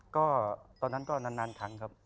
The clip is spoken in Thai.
ก็ตอนนั้นก็นานครั้งครับ